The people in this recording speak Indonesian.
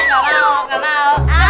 gak mau gak mau